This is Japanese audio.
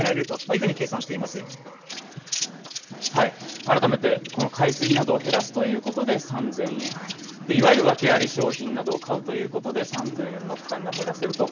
改めて、この買い過ぎなどを減らすということで３０００円、いわゆる訳あり商品などを買うということで、３０００円の負担が減らせると。